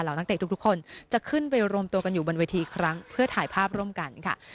นักเตะทุกคนจะขึ้นไปรวมตัวกันอยู่บนเวทีอีกครั้งเพื่อถ่ายภาพร่วมกันค่ะ